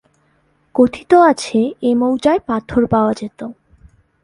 কথিত আছে এ মৌজায় পাথর পাওয়া যেত।